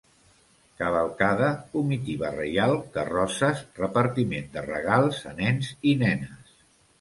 Cavalcada, comitiva reial, carrosses, repartiment de regals a nens i nenes.